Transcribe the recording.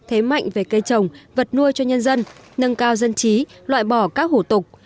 thế mạnh về cây trồng vật nuôi cho nhân dân nâng cao dân trí loại bỏ các hủ tục